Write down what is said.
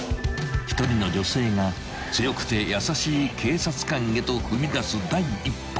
［１人の女性が強くて優しい警察官へと踏みだす第一歩］